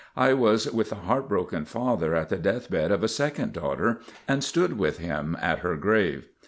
I was with the heart broken father at the death bed of a second daughter and stood with him at her grave.